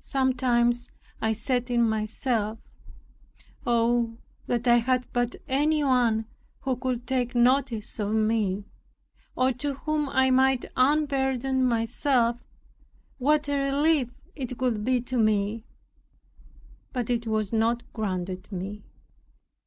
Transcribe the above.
Sometimes I said in myself, "Oh, that I had but any one who could take notice of me, or to whom I might unburden myself, what a relief it would be to me!" But it was not granted me.